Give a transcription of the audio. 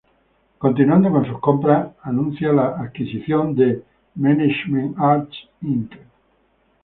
Continuando con sus compras, anuncia la adquisición de Management Arts, Inc.